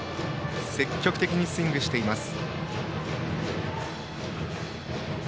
積極的にスイングしています